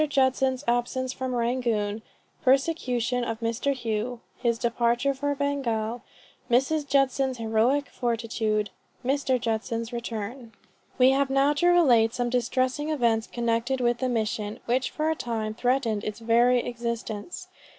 JUDSON'S ABSENCE FROM RANGOON. PERSECUTION OF MR. HOUGH. HIS DEPARTURE FOR BENGAL. MRS. JUDSON'S HEROIC FORTITUDE. MR. JUDSON'S RETURN. We have now to relate some distressing events connected with the mission, which for a time threatened its very existence.